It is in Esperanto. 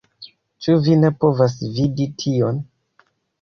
Ĉu vi ne povas vidi tion?!